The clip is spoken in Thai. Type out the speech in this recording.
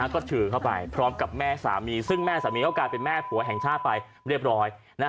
ก็ถือเข้าไปพร้อมกับแม่สามีซึ่งแม่สามีก็กลายเป็นแม่ผัวแห่งชาติไปเรียบร้อย